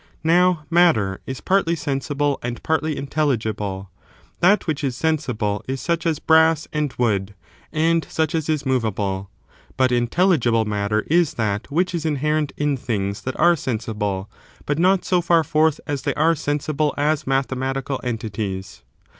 Now, matter is partly sensible and partly intelligible ; that which is sensible is such as brass and wood, and such as is movable; but intelligible matter is that which is inherent in things that are sensible : but not so fax forth as they are sensible as mathematical entities.